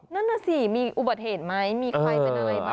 นั่นแหละสิมีอุบัติเหตุไหมมีใครจะได้อะไรไป